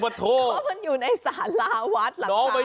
เพราะมันอยู่ในสาลาหรอคะ